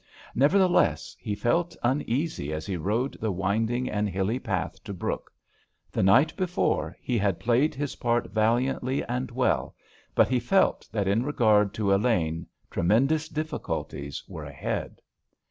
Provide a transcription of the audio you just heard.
Nevertheless, he felt uneasy as he rode the winding and hilly path to Brooke. The night before he had played his part valiantly and well, but he felt that in regard to Elaine tremendous difficulties were ahead.